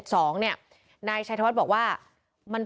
ทางคุณชัยธวัดก็บอกว่าการยื่นเรื่องแก้ไขมาตรวจสองเจน